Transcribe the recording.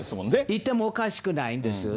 いてもおかしくないんですよ。